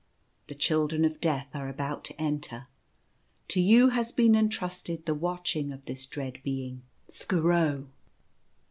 The Children of Death are about to enter. To you has been entrusted the watching of this dread Being, Skooro.